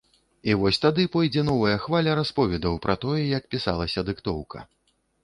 І вось тады пойдзе новая хваля расповедаў пра тое, як пісалася дыктоўка.